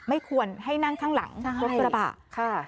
ไม่ควรให้นั่งข้างหลังเพราะกระบะ